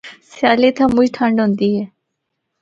سیالے اِتھا مُچ ٹھنڈ ہوندے اے۔